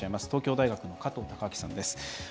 東京大学の加藤孝明さんです。